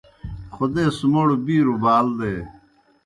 خودیس موْڑ بِیروْ بال دے۔